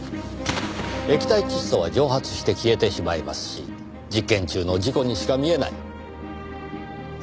液体窒素は蒸発して消えてしまいますし実験中の事故にしか見えない。